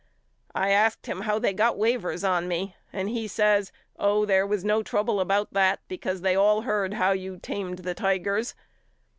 I asked him how they got waivers on me and he says Oh there was no trouble about that be cause they all heard how you tamed the Tigers.